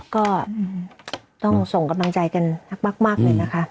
ก็ต้องส่งกำลังใจกันมากเลยนะคะ